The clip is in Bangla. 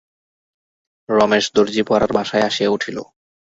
রমেশ দরজিপাড়ার বাসায় আসিয়া উঠিল।